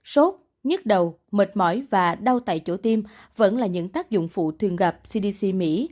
sốt nhức đầu mệt mỏi và đau tại chỗ tiêm vẫn là những tác dụng phụ thường gặp cdc mỹ